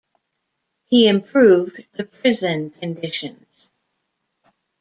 He improved the prison conditions.